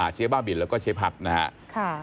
เจ๊บ้าบินแล้วก็เจ๊พัดนะครับ